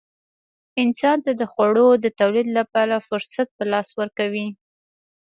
انسان ته د خوړو د تولید لپاره فرصت په لاس ورکوي.